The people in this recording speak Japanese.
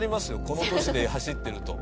この年で走ってると。